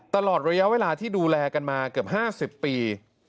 ตลอดระยะเวลาที่ดูแลกันมาเกือบ๕๐ปี